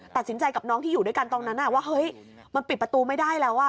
ตัดสินใจกับน้องที่อยู่ด้วยกันตอนนั้นว่าเฮ้ยมันปิดประตูไม่ได้แล้วอ่ะ